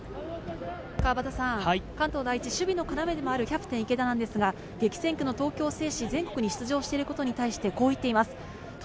関東第一、守備の要でもあるキャプテンの池田ですが、激戦区の東京を制し、全国に出場してることに対してこう言っています。